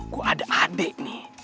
gue ada adek nih